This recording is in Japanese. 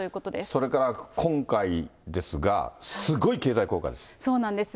それから、今回ですが、すごい経済効果です。